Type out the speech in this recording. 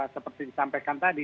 seperti disampaikan tadi